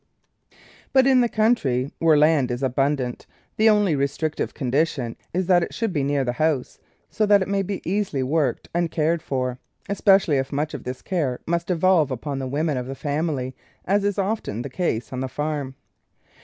But in the country, where land is abundant, the only restrictive condition is that it should be near the house, so that it may be easily worked and cared for, especially if much of this care must devolve upon the women of the family, as is often the case on the farm.